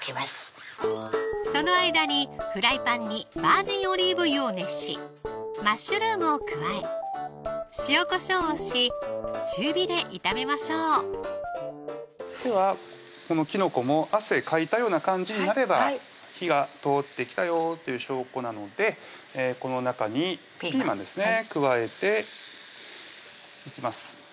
その間にフライパンにバージンオリーブ油を熱しマッシュルームを加え塩・こしょうをし中火で炒めましょうではこのきのこも汗かいたような感じになれば火が通ってきたよという証拠なのでこの中にピーマンですね加えていきます